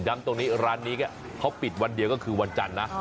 ตรงนี้ร้านนี้เขาปิดวันเดียวก็คือวันจันทร์นะ